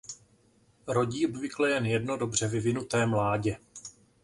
Rodí obvykle jen jedno dobře vyvinuté mládě.